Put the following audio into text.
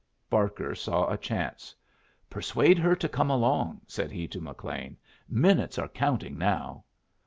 Barker saw a chance. "Persuade her to come along," said he to McLean. "Minutes are counting now."